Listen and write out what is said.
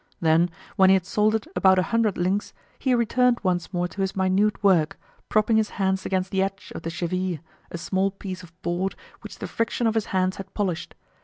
Then, when he had soldered about a hundred links he returned once more to his minute work, propping his hands against the edge of the cheville, a small piece of board which the friction of his hands had polished.